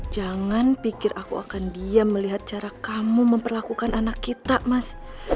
jangan pikir aku akan diam melihat cara kamu memperlakukan anak kita mas